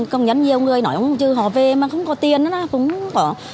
công nhân nhiều người nói ông chứ họ về mà không có tiền đó